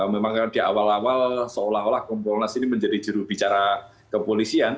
memang di awal awal seolah olah kompolnas ini menjadi jurubicara kepolisian